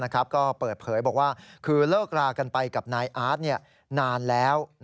ก็เปิดเผยบอกว่าคือเลิกรากันไปกับนายอาร์ตนานแล้ว